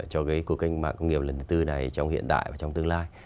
cho cái cuộc cách mạng công nghiệp lần thứ tư này trong hiện đại và trong tương lai